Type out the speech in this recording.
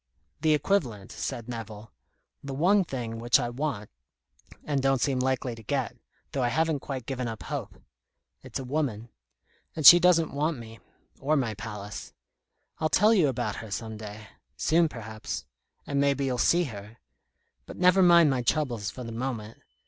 "The equivalent," said Nevill. "The one thing which I want, and don't seem likely to get, though I haven't quite given up hope. It's a woman. And she doesn't want me or my palace. I'll tell you about her some day soon, perhaps. And maybe you'll see her. But never mind my troubles for the moment.